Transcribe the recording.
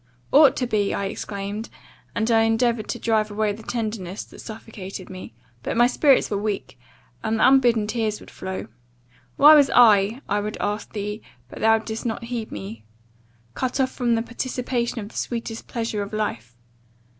'Ought to be!' I exclaimed; and I endeavoured to drive away the tenderness that suffocated me; but my spirits were weak, and the unbidden tears would flow. 'Why was I,' I would ask thee, but thou didst not heed me, 'cut off from the participation of the sweetest pleasure of life?